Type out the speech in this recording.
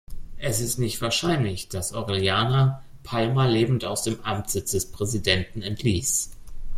Es ist nicht wahrscheinlich, dass Orellana Palma lebend aus dem Amtssitz des Präsidenten entließ.